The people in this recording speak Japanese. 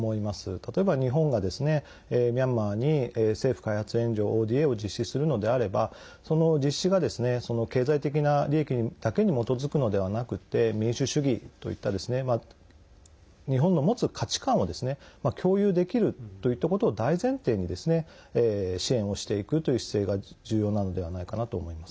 例えば、日本がミャンマーに政府開発援助＝ＯＤＡを実施するのであればその実施が経済的な利益だけに基づくのではなくて民主主義といった日本の持つ価値観を共有できるといったことを大前提に支援をしていくという姿勢が重要なのではないかなと思います。